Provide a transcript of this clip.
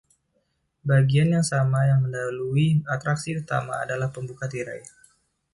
Bagian yang sama yang mendahului atraksi utama adalah pembuka tirai.